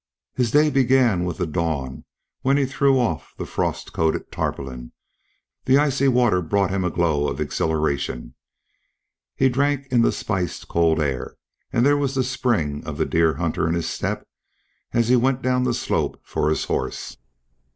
He began his day with the dawn when he threw off the frost coated tarpaulin; the icy water brought him a glow of exhilaration; he drank in the spiced cold air, and there was the spring of the deer hunter in his step as he went down the slope for his horse.